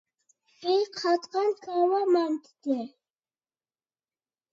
بىر قاسقان كاۋا مانتىسى.